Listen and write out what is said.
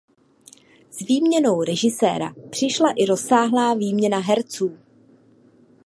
S výměnou režiséra přišla i rozsáhlá výměna herců.